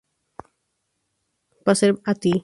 Paz ser a ti.